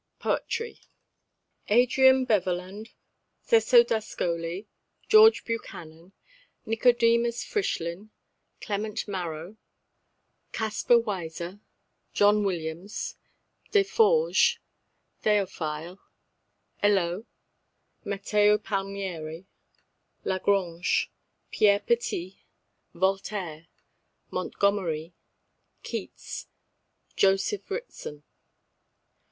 POETRY. Adrian Beverland Cecco d'Ascoli George Buchanan Nicodemus Frischlin Clement Marot Caspar Weiser John Williams Deforges Théophile Helot Matteo Palmieri La Grange Pierre Petit Voltaire Montgomery Keats Joseph Ritson.